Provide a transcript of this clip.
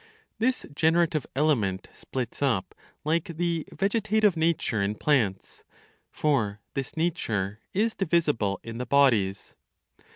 This generative element splits up like the vegetative nature in plants; for this nature is divisible in the bodies.